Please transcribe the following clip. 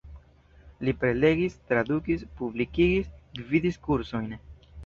Li prelegis, tradukis, publikigis, gvidis kursojn.